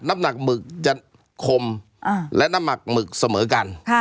น้ำหนักหมึกจะคมและน้ำหมักหมึกเสมอกัน